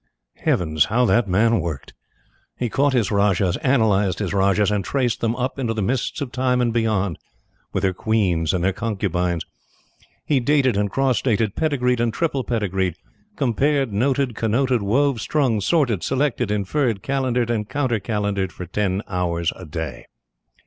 Heavens, how that man worked! He caught his Rajahs, analyzed his Rajahs, and traced them up into the mists of Time and beyond, with their queens and their concubines. He dated and cross dated, pedigreed and triple pedigreed, compared, noted, connoted, wove, strung, sorted, selected, inferred, calendared and counter calendared for ten hours a day.